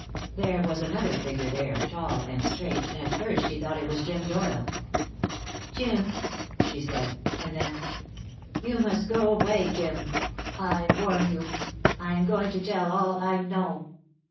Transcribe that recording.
There was another figure there, tall and straight, and at first she thought it was Jim Doyle. "Jim!" she said. And then: "You must go away, Jim. I warn you. I am going to tell all I know."